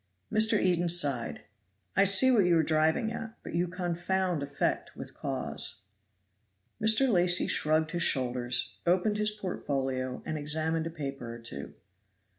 Mr. Eden sighed: "I see what you are driving at; but you confound effect with cause." Mr. Lacy shrugged his shoulders, opened his portfolio, and examined a paper or two.